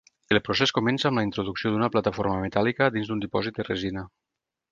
El procés comença amb la introducció d'una plataforma metàl·lica dins un dipòsit de resina.